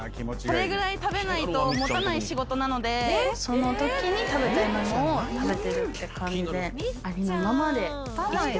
これぐらい食べないと持たない仕事なのでその時に食べたいものを食べてるって感じでありのままで生きてます。